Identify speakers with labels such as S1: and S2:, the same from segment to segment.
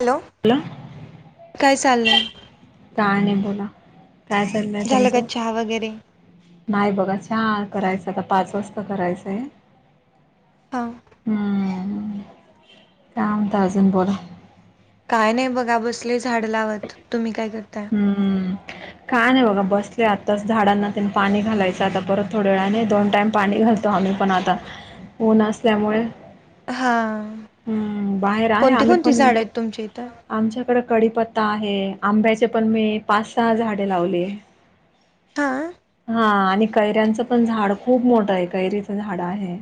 S1: Hello
S2: बोला
S1: काय चाललंय.
S2: का नाही बोला काय चाललंय
S1: झालं का
S2: तुमचं-
S1: चहा वगैरे.
S2: नाही बघा छान करायचं आता पाच वाजता करायचंय.
S1: हा
S2: हम्म काम दर्जन बला.
S1: काय नाही बघा बसले झाड लावत तुम्ही काय करताय?
S2: हम्म काय नाही बघा बसले आत्ताच झाडांना त्यां पाणी घालायचं आता परत थोड्या वेळाने दोन टाइम पाणी घाल. तो आम्ही पण आता ओन असल्यामुळे
S1: हा
S2: हम्म बाहेर आहे
S1: कोणती
S2: आम्ही
S1: कोणती
S2: पण
S1: झाड आहेत तुमच्या इथं
S2: आमच्याकडे कडीीपत्ता आहे आंब्याचे पण मी पाच सहा झाडे लावली आहे.
S1: हा
S2: हा आणि. कैऱ्यांचं पण झाड खूप मोठं आहे कैरीच झाड आहे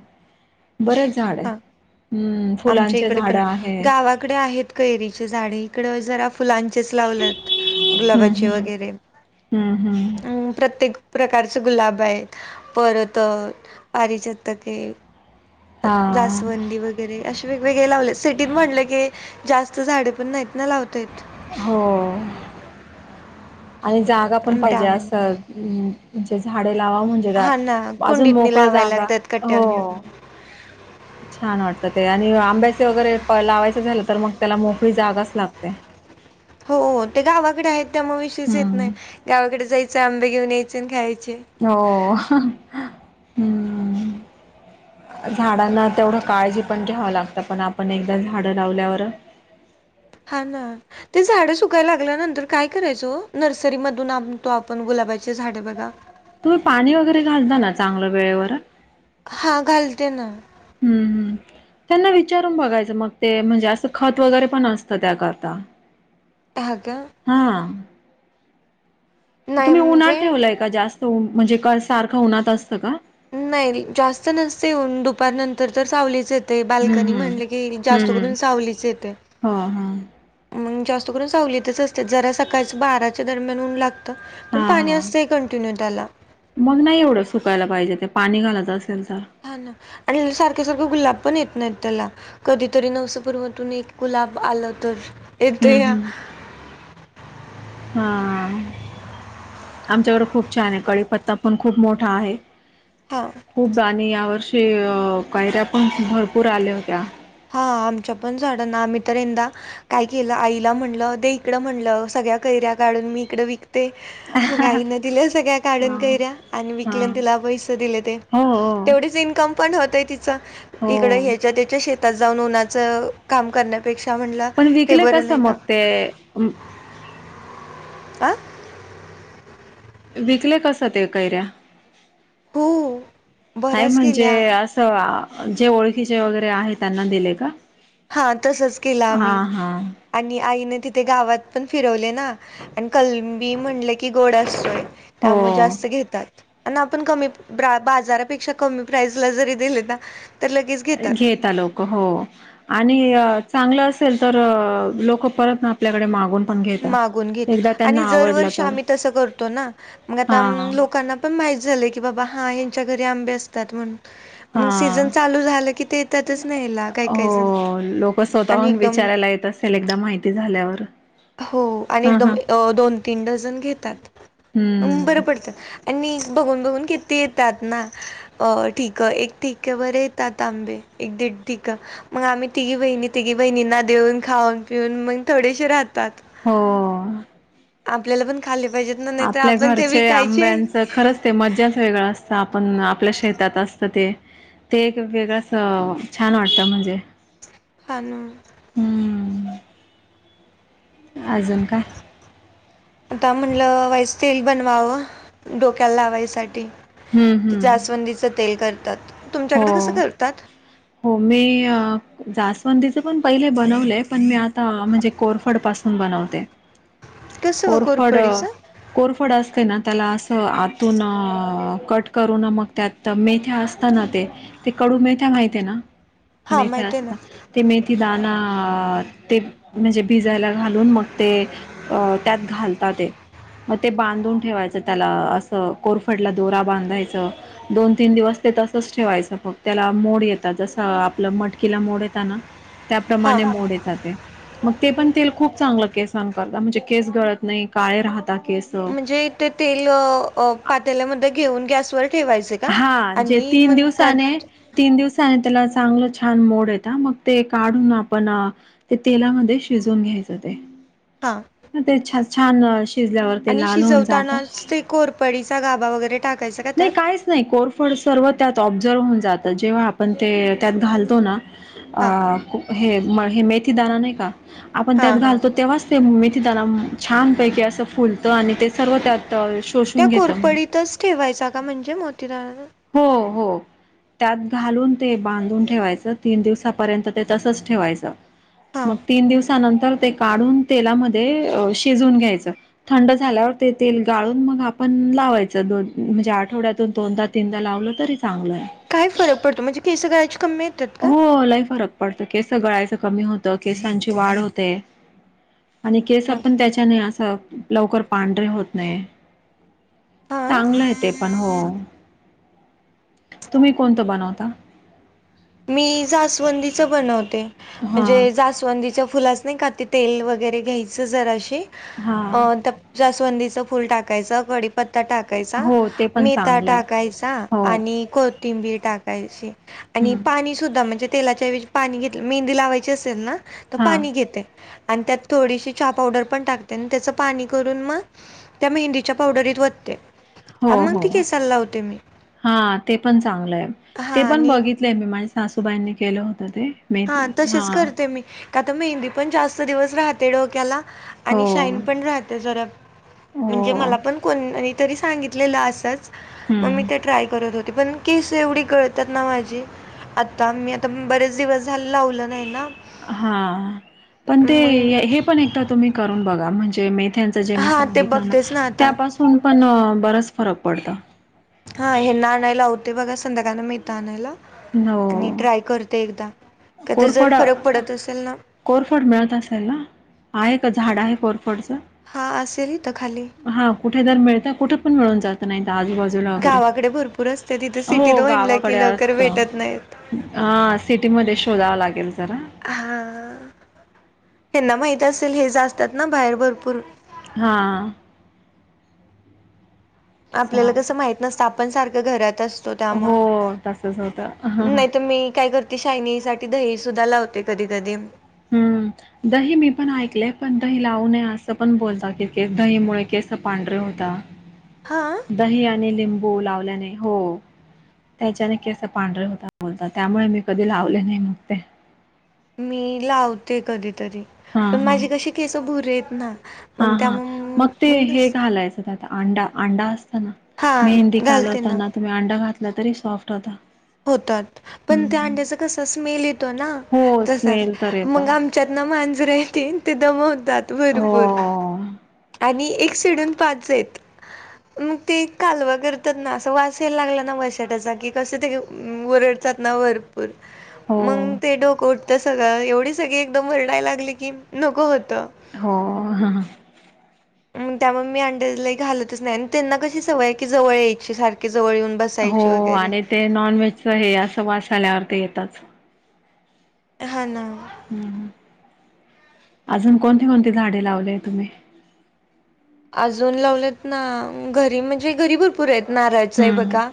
S2: बरेच. झाड
S1: हा
S2: हम्म
S1: आमच्या
S2: फुलांचे झाड
S1: पण
S2: आहे.
S1: गावाकडे इकडे आहेत कैरीचे झाडे इकड जरा फुलांचेच लावलेत
S2: हम्म
S1: गुलाबाचे
S2: हम्म
S1: वगैरे
S2: हम्म हम्म
S1: अ प्रत्येक प्रकारचे गुलाब आहेत परत पारीिचतके
S2: हा
S1: लासवंदी वगैरे. वगैरे असे वेगवेगळे लावले सिटीत म्हटलं की जास्त झाडे पण नाहीत ना लावतायत.
S2: हो. आणि जागा पण पाहिजे
S1: त्यामुळे
S2: असं म्हे झाडे लावा म्हण. ात
S1: हा ना
S2: अजून
S1: कुंडीतनी
S2: मोकळ
S1: लावायला
S2: जाग
S1: लागतात
S2: हो.
S1: कट्ट्यावनी.
S2: छान वाटत ते आणि आंब्याचे वगैरे लावायचं झालं तर मग त्याला मोफळी जागाच लागते. ह.
S1: हो ते गावाकडे आहेत त्यामुळे विश्वास येत
S2: हम्म
S1: नाही गावाकडे जायचं आंबे घेऊन यायचे खायचे.
S2: हो हम्. झाडांना तेवढं काळजी पण घ्यावं लागतं पण आपण एकदा झाडं लावल्यावर
S1: हा ना ते झाड सुकायला लागल्यानंतर काय करायचो नर्सरी मधून आणतो आपण गुलाबाची झाडे बघा.
S2: तुम्ही पाणी वगैरे घालता ना चांगलं वेळेवर.
S1: हा घालते ना.
S2: हम्म हम् त्यांना विचारून बघायचं मग ते म्हणजे असं खत वगैरे पण असतं त्याकरता ह
S1: ह
S2: हा
S1: नाही
S2: तुम्ही उन्हात
S1: म्हणजे
S2: ठवलंय का जास्त म्हणजे सारखं उन्हात असतं का?
S1: नाही जास्त नसते येऊन दुपारनंतर तर सावलीच आहेत. ते
S2: हम्म,
S1: बाल्कनी म्हणले की
S2: हम्म.
S1: जास्त
S2: हम्म.
S1: करून सावलीच येते.
S2: हो, हो.
S1: मग जास्त करून सवलतच असतेात जरा सकाळच बाराच्या दरम्यान होऊन लाग पण
S2: हां,
S1: पाणी
S2: हां.
S1: असतं कंटिन्यू त्याला
S2: मग नाही एवढं सुकायला पाहिजे ते पाणी घालायचं असेल तर
S1: हा ना आणि सारख्या सारखे गुलाब पण येत नाहीत त्याला कधीतरी नवसपूर्मातून एक गुलाब आलं तर येत
S2: हम्म,
S1: या
S2: हा. आमच्याकडे खूप छान आहे कळी पत्ता पण खूप मोठा आहे.
S1: हां.
S2: खूप आणि या वर्षी कायऱ्या पण भरपूर आल्या होत्या.
S1: हा आमच्या पण झाडना आम्ही तर यंदा. काय केलं आईला म्हणलं दे इकडं म्हणलं सगळ्या कैऱ्या काढून मी इकडं विक ते मग आईन दिले सगळ्या काढून
S2: हां,
S1: कैऱ्या आणि विकल्या
S2: हां.
S1: तिला पैसे दिले ते
S2: हो, हो.
S1: तेवढीच इन्कम पण होतंय तिचं इकडं
S2: हो.
S1: ह्याच्या त्याच्या शती. त जाऊन उन्हाचं काम करण्यापेक्षा म्हणलं
S2: पण
S1: हे
S2: विकले
S1: बरं
S2: कस
S1: नाही का?
S2: मग ते
S1: आ
S2: विकले कस ते कैऱ्या
S1: हो
S2: नाही
S1: बऱ्याच
S2: म्हणजे
S1: केल्या
S2: असं जे ओळखीचे वगैरे आहे त्यांना दिले का
S1: हा तसच केलं
S2: हा
S1: आम्ही
S2: हा
S1: आणि आईने तिथे गावात पण फिरवले ना आणि कलबी म्हणले की गोड असतोय
S2: हो
S1: त्यामुळे जास्त घेतात आणि आपण कमी बाजारापेक्षा कमी प्राइस ला जरी दिले ना तर लगेच घेतात
S2: घेेत आ लोक हो आणि चांगलं असेल तर लोक परत आपल्याकडे मागून पण घेता
S1: मागून घेत
S2: एकदा
S1: आणि
S2: त्यांना आवडलं
S1: जरवर्षी
S2: तर
S1: आम्ही तसं करतो ना मग आता
S2: हा
S1: लोकांना पण माहीत झालं की बाबा हां ह्यांच्या घरी आंबे असतात म्हणून मग
S2: हा
S1: सीझन चालू झालं की ते येतातच नाही काही काही जण
S2: हो लोक
S1: आणि
S2: स्वतःहून
S1: एकदम
S2: विचारायला येत असेल एकदा माहिती झाल्यावर
S1: हो आणि
S2: हा
S1: एकदम
S2: हा
S1: दोन तीन डझन घेतात बरं
S2: हम्म
S1: पडतं आणि बघून बघून किती येतात ना अ ठीक एक ठठीक बरं येतात त आंबे एक दीड ठक मग आम्ही तिघी बहिणी तिघी बहिणींना देऊन खाऊन पिऊन मग थोडेसे राहत
S2: हो
S1: आपल्याला पण खाल्ले पाहिजे
S2: आपल्या घरचे आंब्यांचं खरंच ते मज्जाच वेगळं असतं आपण आपल्या शेतात असत ते ते एक वेगळं अस छान वाटतं म्हणजे
S1: फलू
S2: हम्म अजून का
S1: आता म्हटलं वाईस तेल बनवावं डोक्याला लावायसाठी
S2: हम्म
S1: ते
S2: हम्म
S1: जास्वंदीचं तेल करतात
S2: हो
S1: तुमच्याकडे कसं करतात
S2: हो मी अ जास्वंदीचं पण पहिले बनवलंय पण मी आता म्हणजे कोरफड पासून बनवते.
S1: कसं व
S2: कोरफड
S1: कोरपडीचं
S2: कोरफड असते ना त्याला अस आतून कट करून मग त्यात मेथ्या असता ना ते कडू मेथ्या माहिती आहे ना
S1: हां
S2: मेथ्या
S1: माहिती आहे ना
S2: असता ते मेथी दाना ते म्हणजे भिजायला घालून मग ते अ त्यात घालतात. मग ते बांधून ठेवायचं त्याला असं कोरफडला दोरा बांधायचं. दोन तीन दिवस तसच ठेवायचं मग त्याला मोड येतात जसं आपलं मटकीला मोड येत ना.
S1: हां
S2: त्याप्रमाणे मोड येता ते. मग ते पण तेल खूप चांगलं केसान करता म्हणजे केस गळत नाही काळे राहता केस.
S1: म्हणजे ते तेल पात्याल्यामध्ये घेऊन गॅसवर ठेवायचे. का?
S2: हा जे
S1: आणि
S2: तीन
S1: मग
S2: दिवसाने
S1: त्यात
S2: तीन दिवसाने त्याला चांगलं छान मोड येतं मग ते काढून आपण ते तेलामध्ये शिजून घ्यायचं ते
S1: हां.
S2: ते छान छान शिजल्यावर ते
S1: आणि
S2: लाल होऊन जातं.
S1: शिजवतानाच ते कोरपडीचा गाबा वगैरे टाकायचा का
S2: नाही
S1: त्यात?
S2: काहीच नाही कोरफड सर्व त्यात ऑब्झर्व होऊन जातं जेव्हा आपण ते त्यात घालतो ना. अ
S1: हां,
S2: हे हे मेथी दाना नाही का आपण त्यात
S1: हां, हां.
S2: घालतो तेव्हाच ते मेथी दाणा छानपैकी असं फुलतं आणि ते सर्व त्यात
S1: त्या
S2: शोषून घेतं
S1: कोरपडीतच ठेवायचा का म्हणजे मोतीदारां
S2: हो हो. त्यात घालून ते बांधून ठेवायचं, तीन दिवसापर्यंत ते तसंच ठेवायचं. मग
S1: हां.
S2: तीन दिवसानंतर ते काढून, तेलामध्ये शिजून घ्यायचं. थंड झाल्यावर ते तेल गाळून मग, आपण लावायचं, दोन म्हणजे आठवड्यातून दोनदा. तीनदा लावलं तरी चांगलंये.
S1: काय फरक पडतो, म्हणजे केस गळयाची कमीत.
S2: हो लई फरक पडत, केस गळायचं कमी होतं, केसांची वाढ होते. आणि केस
S1: हां,
S2: पण त्याच्याने, असं लवकर पांढरे होत नाही.
S1: हां.
S2: चांगलंय ते पण हो. तुम्ही कोणतं बनवता?
S1: मी जास्वंदीच बनवते,
S2: हां,
S1: म्हणजे जास्वंदीच्या फुला नाही का, तेल वगैरे घ्यायच जरासे
S2: हां.
S1: जासवंदी फुल टाक टाकायचा, कडीपत्ता टाकायचा,
S2: हो, ते पण
S1: मेथा
S2: चांगलं आहे.
S1: टाकायचा
S2: हो,
S1: आणि को तीबी टाकायची आणि
S2: हं.
S1: पाणी सुद्धा म्हणजे तेलाच्या ऐवजी पाणी घेतल, मेहंदी लावायची असेल ना तर
S2: हां.
S1: पाणी घेते. आणि त्यात थोडीशी चहा पावडर पण टाकते, आणि त्याचं पाणी करून म त्या मेहंदीच्या पावडरीत वतते.
S2: हो
S1: मग
S2: हो
S1: ती केसाला लावते मी.
S2: हा, ते पण चांगलंये
S1: हा
S2: ते पण
S1: आणि
S2: बघित मी माझ्या सासूबाईंनी केलं होतं ते मी
S1: हा तसेच
S2: हां.
S1: करते मी, का तरश मेहंदी पण जास्त दिवस राहते डोक्याला.
S2: हो,
S1: आणि शाईन पण राहते जरा, म्हणजे
S2: हो.
S1: मला पण कोण तरी सांगितलेलं असंच मग मी
S2: हं.
S1: ते ट्राय करत होते पण केस एवढी गळतात ना माझी, आता मी आता बरेच दिवस झाल लावलं नाही ना.
S2: हा पण ते
S1: मग
S2: हे पण एकदा तुम्ही करून बघा म्हणजे म त्यांच जे मी
S1: हां, ते
S2: सांगितलं ना,
S1: बघतेच आता.
S2: त्यापासून पण बरच फरक पडत.
S1: हा हेना आणायला लावते बघा, संध्याकाळना मिळता आणायला आणि
S2: हो.
S1: ट्राय करते एकदा का तर जर
S2: कोरफड,
S1: फरक पडत असेल ना
S2: कोरफड मिळत असेल ना. आहे का झाड आहे कोरफडच,
S1: हां, असेल इथं खाली.
S2: हा. कुठे जर मीळता कुठे पण मिळून जात नाहीत आजूबाजू
S1: गावाकडे भरपूर असते, तिथे सिटीत वणलं की
S2: गावाकडे
S1: लवकर
S2: असत
S1: भेटत नाहीत.
S2: हा सिटी मध्ये शोधाव लागेल जरा.
S1: हा त्यांना माहित असेल, हेज असतात ना बाहेर भरपूर.
S2: हा.
S1: आपल्याला कसं माहत नसत, आपण सारखं घरात असत तो,
S2: हो तसच होत
S1: त्यामुळे नाही तर मी काय करतो, शायनी साठी दही सुद्धा लावते कधी कधी.
S2: हम्म. दही मी पण ऐकलेय, पण दही लावू नये असं पण बोलता, की दहीमुळे केस पांढरे होता.
S1: हां.
S2: दही आणि लिंबू लावल्याने हो. त्याच्याने की अस पांढरे होता बोलता, त्यामुळे मी कधी लावले नाही मग ते
S1: मी लावते कधीतरी,
S2: हा
S1: पण
S2: हा
S1: माझी कशी केस भुरेयेत ना
S2: हा
S1: मग
S2: हा
S1: त्यामुळं
S2: मग ते हे
S1: नस
S2: घालायचं त्यात, अंडा अंडा असतना
S1: हा
S2: मेहंदी
S1: घालते ना
S2: कालवताना, तुम्ही अंडा घातला तरी सॉफ्ट होता.
S1: होतात, पण त्या
S2: हम्म
S1: अंड्याचा कस, स्मेल येतो ना
S2: हो
S1: तसाच
S2: स्मेल तर येत
S1: मग आम चेतना मांजर येतील ते दमवतात.
S2: हो.
S1: भरपूर. आणि एक सोडून पाचेयत. मग ते कालवा करतात ना, अस वास यायला लागला ना वैशाटाचा कि कस ते ओरड त्यात ना भरपूर.
S2: हो
S1: मग ते डोकं उठत सगळं एवढी सगळी एकदम वरडायला लागली की नको होत
S2: हो ह
S1: त्यामुळे मी अंड्यालाही घालतच नाही आणि त्यांना कशी सवय आहे की जवळ एक सारखी जवळ येऊन बस
S2: हो आणि ते नॉन व्हेजच हे असं वास आल्यावर ते येतच
S1: हा ना
S2: हम् अजून कोणती कोणती झाडे लावले तुम्ही
S1: अजून लावलेत ना घरी म्हणजे घरी भरपूर आहेत नारायच आहे
S2: हम्म
S1: बघा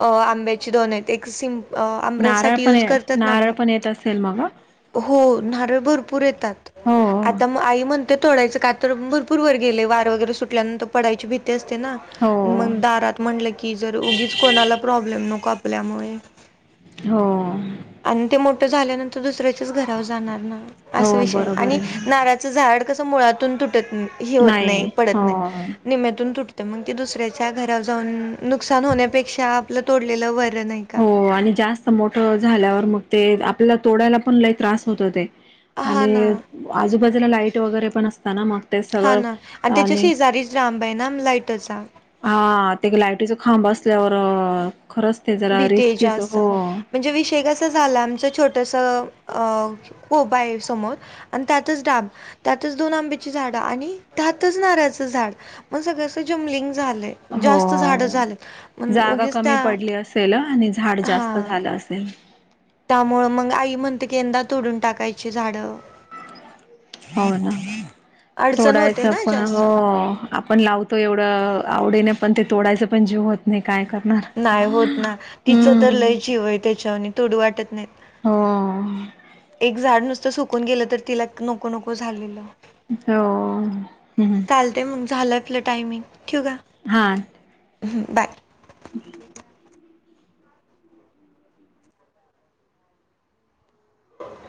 S1: अ आंब्याची दोन आहेत एक सिम आंब्यासाठी युज करतात ना बघा
S2: नेेत असेल मग
S1: हो नारळ भरपूर येतात
S2: हो
S1: आ आई म्हणते तोडायचं का तर भरपूर वर गेले वार वगैरे सुटल्यानंतर पडाचीीती ते असते ना
S2: हो
S1: मग दारात म्हटलं की जर उगीच कोणाला प्रॉब्लेम नको आपल्यामुळे
S2: हो
S1: आणि ते मोठं झाल्यानंतर दुसऱ्याच्याच घरावर जाणार ना
S2: हो
S1: असा विषय
S2: बरोबर
S1: आणि
S2: आहे ना
S1: नार झाड कस मुळातून तुटत हे होत नाही पडत नाही निम्यातून तुटतें मग तेी दुसऱ्याच्या घरा जाऊन नुकसान होण्यापेक्षा आपलं तोडलेलं वरं नाही का
S2: हो आणि जास्त मोठ झाल्यावर मग ते आपल्याला तोडायला पण लही त्रास होत ते
S1: हा ना
S2: आणि आजूबाजूला लाईट वगैरे पण असत ना मग ते
S1: हा
S2: सगळं
S1: ना आणि त्याच्या शेजारीच रामब आहे ना लाइटचा
S2: हा ते लायटीच खांब असल्यावर खरंच ते जरा
S1: भीती
S2: रिस्कीच
S1: जास्त
S2: हो
S1: म्हणजे विषय कसं झाला आमचं छोटंसं हो बाय समोर आणि त्यातच डाब त्यातच दोन आंब्याची झाड आणि त्यातच नारळाचं झाड मग सगळं अस जमलिंग झालंय जास्त झाडं
S2: हो
S1: झालेत मण उगेच त्या
S2: अस आणि झाड
S1: हा
S2: जास्त झालं असेल
S1: त्यामुळं मग आई म्हणते की यंदा तोडून टाकायची झाडं
S2: हो ना
S1: अडचण
S2: थोडायच
S1: होते ना
S2: पण
S1: जास्त
S2: हो आपण लावतो एवढं आवडीने पण ते तोडायच पण जीव होत नाही काय करणार
S1: नाही होत ना तिचं तर
S2: हम्म
S1: लय जिवय त्याच्यावर तथोड वाटत नाही
S2: हो
S1: एक झाड नुसतं सुकून गेलं तर तिला नको नको झालेलं
S2: हो ह्
S1: चालते मग झालं आपलं टायमिंग ठेवा
S2: हा
S1: ं बाय
S2: हम्
S1: हो